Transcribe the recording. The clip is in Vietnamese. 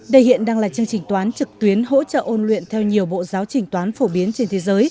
đây hiện đang là chương trình toán trực tuyến hỗ trợ ôn luyện theo nhiều bộ giáo trình toán phổ biến trên thế giới